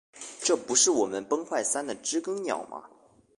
这不是我们崩坏三的知更鸟吗